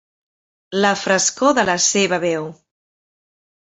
La frescor de la seva veu.